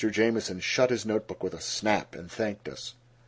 Jamieson shut his note book with a snap, and thanked us.